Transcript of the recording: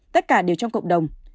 tất cả đều trong cộng đồng